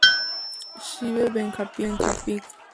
Жыве Беларусь!